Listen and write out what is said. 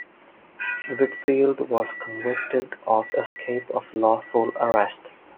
Whitfield was convicted of escape of lawful arrest.